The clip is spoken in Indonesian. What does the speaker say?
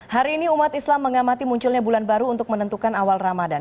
hari ini umat islam mengamati munculnya bulan baru untuk menentukan awal ramadan